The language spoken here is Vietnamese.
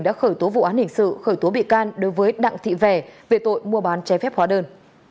đã khởi tố vụ án hình sự khởi tố bị can đối với đặng thị vẻ về tội mua bán trái phép hóa đơn